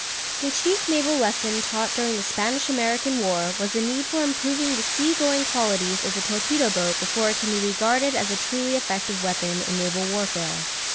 The chief naval lesson taught during the Spanish American War was the need for improving the sea going qualities of the torpedo boat before it can be regarded as a truly effective weapon in naval warfare.